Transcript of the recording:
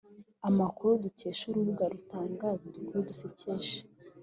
Amakuru dukesha urubuga rutangaza udukuru dusekeje(insolite)